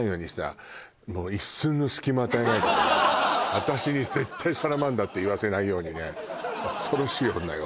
私に絶対サラマンダーって言わせないようにね恐ろしい女よ